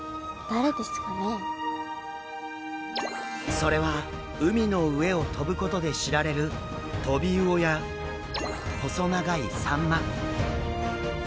それは海の上を飛ぶことで知られるトビウオや細長いサンマ。